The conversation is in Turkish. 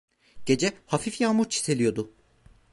Gece, hafif yağmur çiseliyordu.